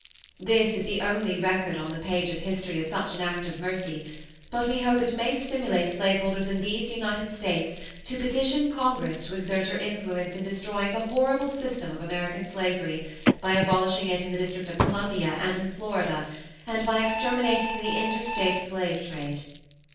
This is the only record on the page of history of such an act of mercy but we hope it may stimulate slaveholders in these United States to petition Congress to exert her influence in destroying the horrible system of American Slavery by abolishing it in the District of Columbia and in Florida, and by exterminating the interstate slave trade.